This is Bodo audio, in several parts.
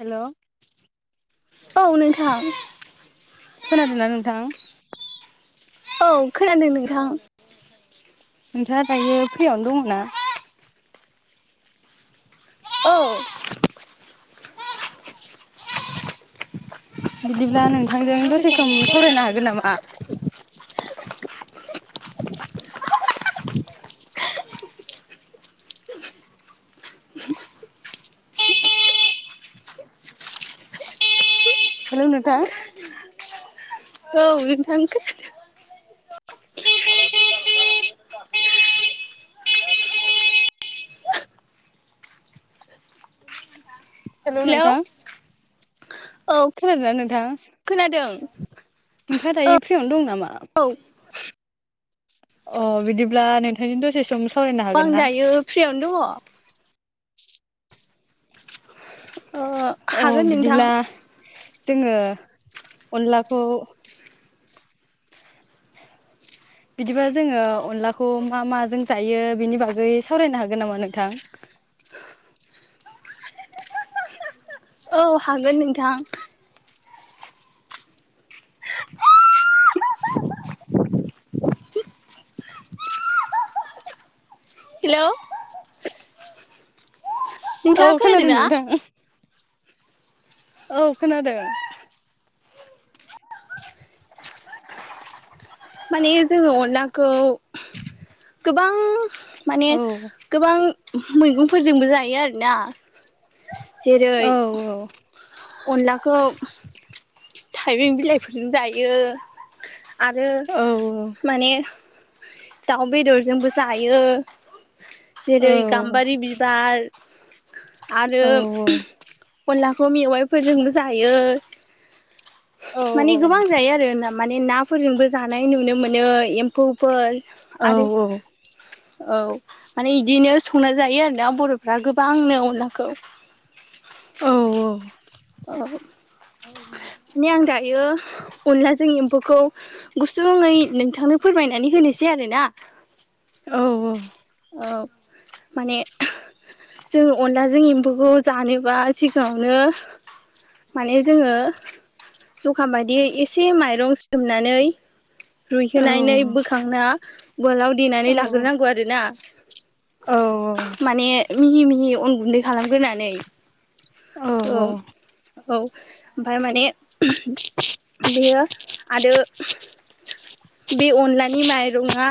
हेल' औ नोंथां। खोनादोंना नोंथां। औ खोनादों नोंथां। नोंथा दायो फ्रियावनो दङ ना? औ बिदिब्ला नोंथांजों दसे सम सावरायनो हागोन नामा? हेलौ नोंथां। हेलौ नोंथां खोना दों। बे [inaudible] हेल' हेलौ नोंथां। औ खोना दोंना नोथां। खोनादों नोंथाङा दा औ इ फ्रियावनो दं नामा औ अ बिदिब्ला नोथांजों दसे सम सावरायनो आं हागोन ना दायो फ्रियावनो दङ [inaudible] अ हागोन नोंथां बिदिब्ला जोङो अनलाखौ बिदिबा जोङो अनलाखौ मा माजों जायो बिनि बागै सावरायनो हागोन नामा नोंथां। औ हागोन नोंथां हेल' औ नोंथाङा खोनादों खोनादोंना नोंथां औ खोनादों माने जोङो अनलाखौ गोबां माने औ गोबां मैगंफोरजोंबो जायो आरोना जेरै औ अनलाखौ थाइबें बिलाइफोरजों जायो आरो औ माने दाउ बेदरजोंबो जायो औ जेरै गाम्बारि बिबार आरो औ अनलाखौ मेवाइफोरजोंबो जायो औ माने गोबां जायो आरो ना माने नाफोरजोंबो जानाय नुनो मोनो एम्फौफोर औ आरो औ औ माने बिदिनो संना जायो आरोना बर'फ्रा गोबांनो अनलाखौ औ औ औ माने आं दायो अनलाजों एम्फौखौ गुसुङै नोंथांनो फोरमायनानै होनोसै आरोना औ औ औ माने जों अनलाजों एम्फौखौ जानोबा सिगाङावनो माने जोङो जखा बायदियै एसे माइरं सोमनानै रुइहोनानै बोखांना उलाव देनानै लाग्रोनांगौ आरोना माने मिहि मिहि अन गुन्दै खालामग्रोनानै औ औ औ ओमफ्राय माने बेयो आरो बे अनलानि माइरङआ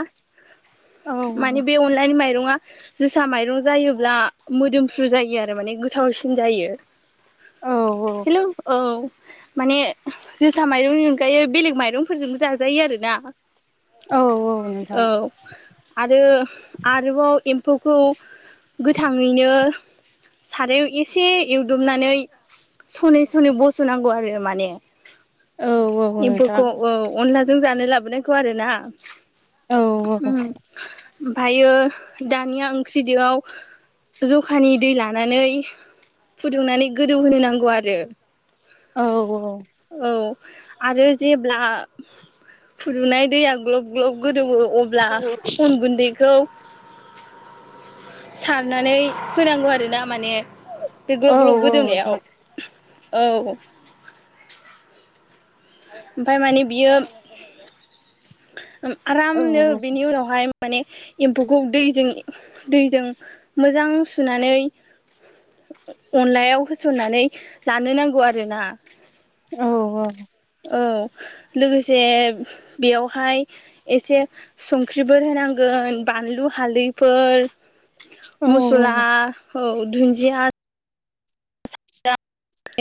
माने बे अनलानि माइरङा जोसा माइरं जायोब्ला मोदोमफ्रु जायो आरो माने गोथावसिन जायो हेल' औ माने जोसा माइरंनि अनगायै बेलेग माइरंफोरजोंबो जाजायो आरो ना औ औ नोंथां औ आरो आरोबाव एम्फौखौ गोथाङैनो सारायाव एसे एवदुमनानै सनै सनै बस'नांगौ आरो माने एम्फौखौ अनलाजों जानो लाबोनायखौ आरो ना उम ओमफ्रायो दानिया ओंख्रिदोआव जखानि दै लानानै फुदुंनानै गोदौ होनो नांगौ आरो औ औ औ आरो जेब्ला फुदुंनाय दैया ग्लब ग्लब गोदौवो अब्ला अन गुन्दैखौ सारनानै होनांगौ आरोना माने बे ग्लब ग्लब गोदौनायाव औ ओमफ्राय माने बियो आरामनो बिनि उनाव बेहाय माने एम्फौखौ दैजों दैजों मोजां सुनानै अनलायाव होसननानै लानो नांगौ आरोना औ औ औ लोगोसे बेयावहाय एसे संख्रिफोर होनांगोन बानलु हालदैफोर मसला औ दुन्जिया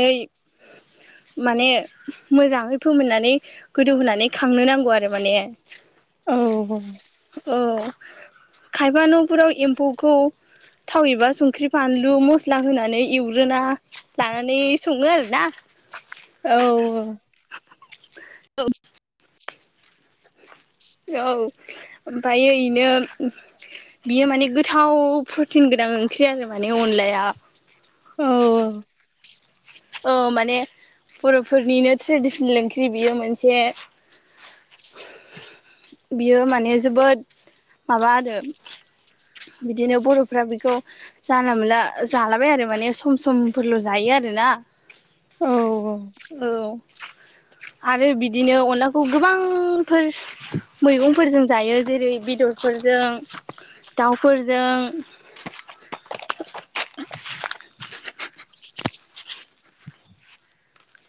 ओइ माने मोजाङै फोमोननानै गोदौ होनानै खांनो नांगौ आरो माने औ औ खायफा न'फोराव एम्फौखौ थाव एबा संख्रि फानलु मस्ला होनानै एवग्रोना नै सङो आरोना औ [inaudible] औ ओमफ्रायो इनो। बियो माने गोथाव प्रटिन गोनां ओंख्रि आरो माने अनलाया। औ औ औ माने बर'फोरनिनो ट्रेडिसनेल ओंख्रि बियो मोनसे, [unintelligible] बियो माने जोबोद माबा आरो बिदिनो बर'फ्रा बेखौ। जानला मोनला जालाबाया आरो माने सम समफोरल' जायो आरो ना। औ औ औ आरो बिदिनो अनलाखौ गोबांफोर। मैगंफोरजों जायो जेरै बेदरफोरजों दाउफोरजों। [unintelligible]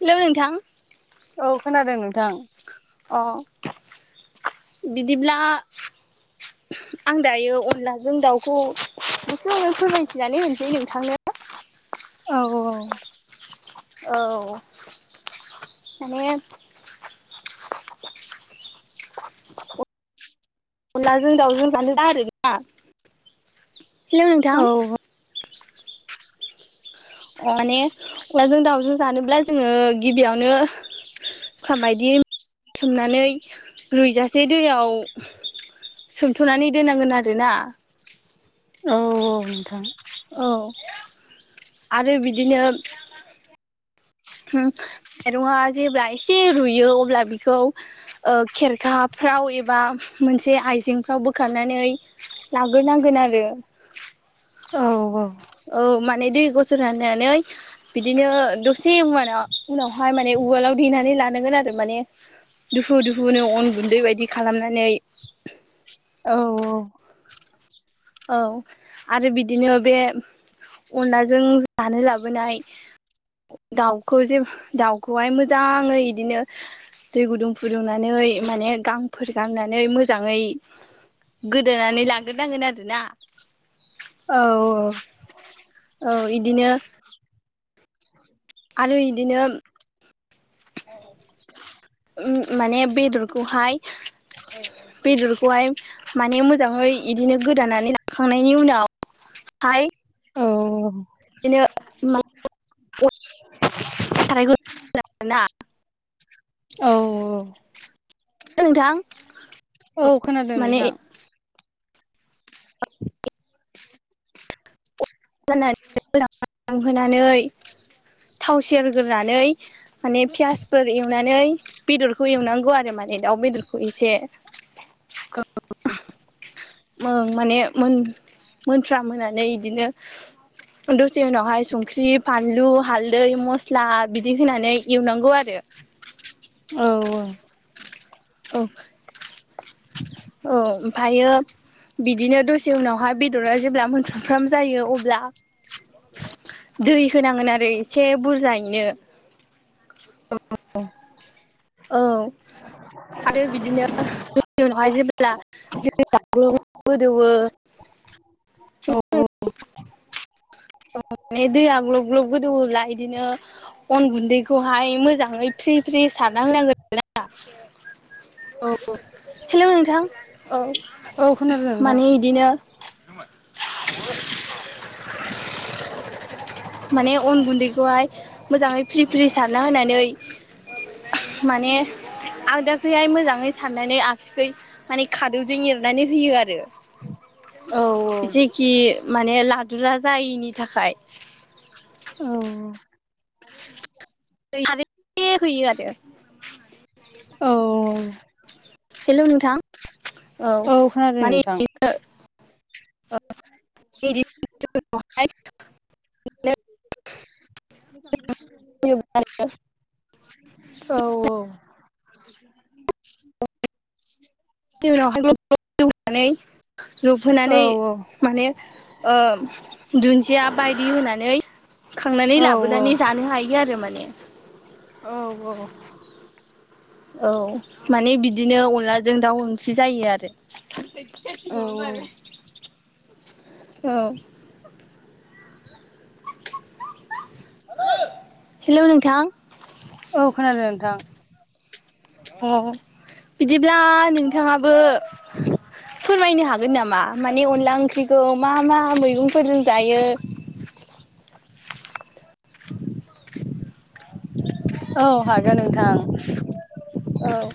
हेलौ नोंथां। औ खोनादों नोंथां। अह बिदिब्ला। आं दायो अनलाजों दाउखौ गुसुंङैनो फोरमायथिनानै होनिसै नोंथांनो। औ औ औ माने, [unintelligible] अनलाजों दाउजों जानोबा आरोना हेलौ नोंथां। औ अ माने अखलाजों दाउजों जानोब्ला जोङो गिबियावनो। सुखा बायदि सोमनानै रुइजासे दैयाव। सोथुनानै दोननांगोन आरोना। औ औ नोंथां। औ आरो बिदिनो। होम माइरंआ जेब्ला एसे रुयो अब्ला बेखौ। ओ खेरखाफ्राव एबा मोनसे आइजेंफ्राव बोखारनानै। लाग्रो नांगोन आरो औ औ औ माने दैु गुसु रानानै, बिदिनो दसे मुवाना उनावहाय माने उवालाव दैेनानै लानांगोन आरो माने, दुफु दुफुनो अन गुन्दै बायदि खालामनानै। औ औ औ आरो बिदिनो बे अनलाजों जानो लाबोनाय। दाउखौ जे दाउखौहाय मोजाङै इदिनो। दै गुदुं फुदुंनानै माने गांफोर गारनानै मोजाङै। गोदोनानै लांग्रोनांगोन आरो औ औ औ इदिनो। आरो इदिनो माने बेदरखौहाय बेदरखौहाय माने मोजाङै इदिनो गोदानानै लाखांनायनि उनावहाय औ। बिदिनो [unintelligible] औ औ। ओंथां। औ खोनादों नोंथां। [unintelligible] होनानै थाव सेरग्रोनानै माने पियासफोर एवनानै बेदरखौ एवनांगौ आरो माने दाउ बेदर खौ एसे ओं माने मोन मोनफ्राम होननानै इदिनो दसे उनावहाय संख्रि फानलु हालदै मस्ला बिदि होनानै एवनांगौ आरो। औ औ। औ। [inaudible] औ ओमफायो बिदिनो दसे उनावहाय बेदरा जेब्ला मोनफ्रामफ्राम जायो अब्ला दै होनांगोन आरो इसे बुरजायैनो। अ। औ आरो बिदिनो बिनि उनावहाय जेब्ला दैया ग्लब ग्लब गोदौवो औ औ। माने दैया ग्लब ग्लब गोदौब्ला इदिनो अन गुन्दैखौहाय मोजाङै फ्रि फ्रि सारनाहोनांगोन ना। औ हेल' नोंथां औ औ खोनादों नोंथां माने इदिनो [inaudible] माने अन गुन्दैखौहाय मोजाङै फ्रि फ्रि सारना होनानै माने आगदाखैहाय मोजाङै साननानै आगसिखै माने खादौजों एरनानै होयो आरो। औ औ। खि माने लादुरा जायिनि थाखाय। औ औ। [unintelligible] औ औ औ। हेल' नोंथां औ खोनादों माने नोंथां इदिनो [unintelligible] औ औ। [inaudible] उनावहाय ग्लब ग्लब जौनानै औ जबहोनानै माने ओ दुन्दिया बायदि होनानै खांनानै औ लाबोनानै जानो हायो आरो माने। औ औ। औ माने बिदिनो अनलाजों दाउ ओंख्रि जायो आरो। औ। हेल' नोंथां। औ खोनादों नोंथां। अ। बिदिब्ला नोंथाङाबो फोरमायनो हागोन नामा माने अनला ओंख्रि खौ मा मा मैगंफोरजों जायो [inaudible] औ हागोन नोंथां औ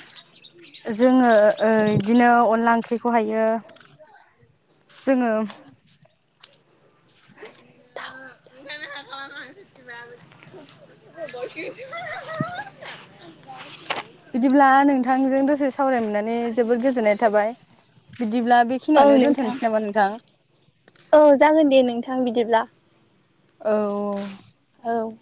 जोङो ओ इदिनो अनला ओंख्रिखौहायो जोङो [unintelligible] [unintelligible] [unintelligible] अब्ला नोंथांजों दसे सावरायनो मोननानै नै जोबोद गोजोननाय थाबाय बिदिब्ला बेखिनियावनो नोंथां दोन्थ'नोसै नामा नोंथां औ जागोन दे नोंथां बिदिब्ला औ औ औ